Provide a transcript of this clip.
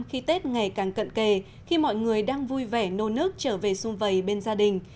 khi tết ngày càng cận kề khi mọi người đang vui vẻ nô nước trở về xung vầy bên gia đình